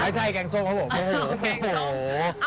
ไม่ใช่แกงโซ่ไม่ผู้ให้ยอด